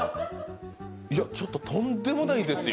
ちょっと、とんでもないですよ。